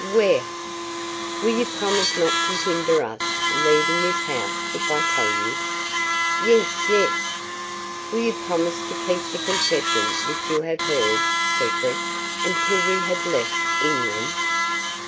"Where?" "Will you promise not to hinder us leaving this house if I tell you?" "Yes, yes." "Will you promise to keep the confession which you have heard secret, until we have left England?"